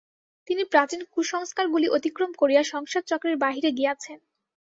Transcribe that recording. তিনি প্রাচীন কুসংস্কারগুলি অতিক্রম করিয়া সংসারচক্রের বাহিরে গিয়াছেন।